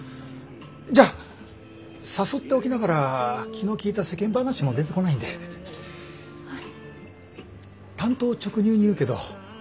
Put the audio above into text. じゃあ誘っておきながら気の利いた世間話も出てこないんで単刀直入に言うけど。